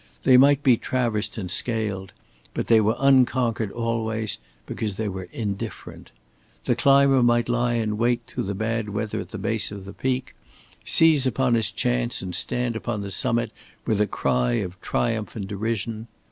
They might be traversed and scaled, but they were unconquered always because they were indifferent. The climber might lie in wait through the bad weather at the base of the peak, seize upon his chance and stand upon the summit with a cry of triumph and derision.